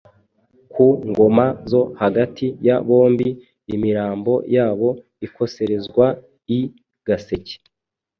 Ku ngoma zo hagati ya bombi, imirambo yabo ikoserezwa i Gaseke,